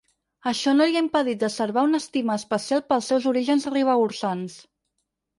Això no li ha impedit de servar una estima especial pels seus orígens ribagorçans.